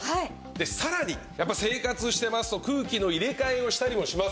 でさらにやっぱ生活してますと空気の入れ替えをしたりもします。